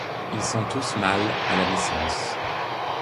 Ils sont tous mâles à la naissance.